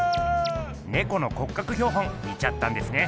ねこの骨格標本見ちゃったんですね。